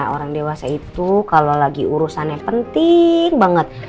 orang dewasa itu kalau lagi urusannya penting banget